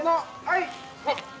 はい！